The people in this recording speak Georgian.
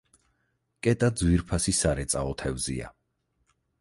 კეტა ძვირფასი სარეწაო თევზია.